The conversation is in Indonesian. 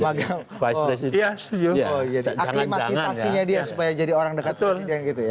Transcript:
bagaimana aklimatisasinya dia supaya jadi orang dekat presiden gitu ya